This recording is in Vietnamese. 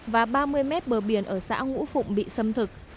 và ba mươi mét bờ biển ở xã ngũ phụng bị xâm thực